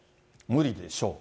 無理でしょう。